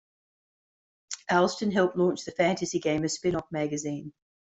Allston helped launch the "Fantasy Gamer" spinoff magazine.